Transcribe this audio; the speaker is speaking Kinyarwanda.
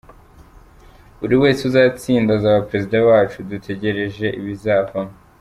Buri wese uzatsinda azaba Perezida wacu, dutegereje ibizavamo.